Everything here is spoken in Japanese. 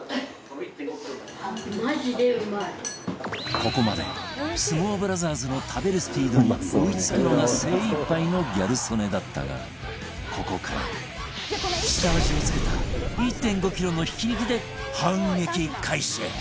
ここまで相撲ブラザーズの食べるスピードに追い付くのが精いっぱいのギャル曽根だったがここから下味を付けた １．５ キロのひき肉で反撃開始！